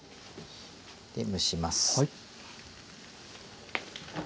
蒸します。